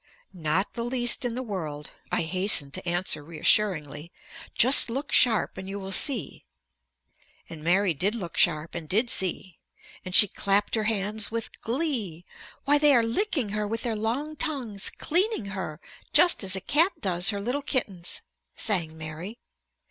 "Not the least in the world," I hasten to answer reassuringly. "Just look sharp and you will see." And Mary did look sharp and did see. And she clapped her hands with glee. "Why, they are licking her with their long tongues; cleaning her, just as a cat does her little kittens," sang Mary.